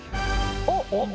おっ！